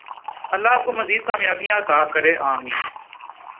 الله آپکو مزید کامیابیاں عطا فرمائے ۔آمین